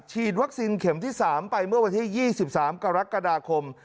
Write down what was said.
ฉีดวัคซีนเข็มที่๓ไปเมื่อวันที่๒๓กรกฎาคม